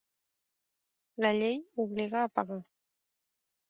La llei obliga a pagar.